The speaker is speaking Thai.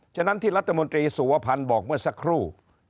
ฉะนั้นที่รัฐมนตรีสุวพันธ์บอกเมื่อสักครู่